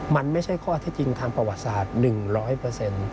มันไม่ใช่ข้อเท็จจริงทางประวัติศาสตร์๑๐๐